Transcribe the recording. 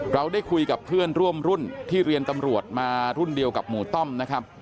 เราได้คุยกับเพื่อนร่วมรุ่นที่เรียนตำรวจมารุ่นเดียวกับหมู่ต้อมนะครับ